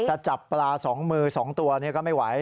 จะจับปลา๒มือ๒ตัวก็ไม่ไหว